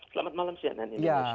selamat malam si ananya